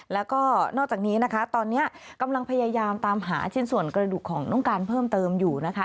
แล้วก็นอกจากนี้นะคะตอนนี้กำลังพยายามตามหาชิ้นส่วนกระดูกของน้องการเพิ่มเติมอยู่นะคะ